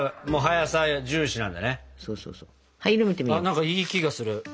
何かいい気がする。